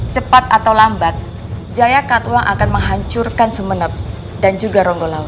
cepat atau lambat jaya katuang akan menghancurkan sumeneb dan juga ronggolang